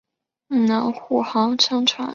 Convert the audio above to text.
接着罗宾逊号被派往法国海域护航商船。